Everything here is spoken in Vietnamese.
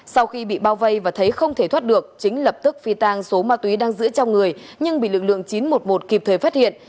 sau khi bị bao vây và thấy không thể thoát được chính lập tức phi tang số ma túy đang giữ trong người nhưng bị lực lượng chín trăm một mươi một kịp thời phát hiện